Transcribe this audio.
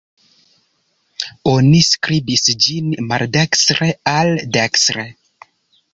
Oni skribis ĝin maldekstr-al-dekstre.